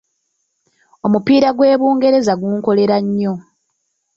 Omupiira gw’e Bungererza gunkolera nnyo.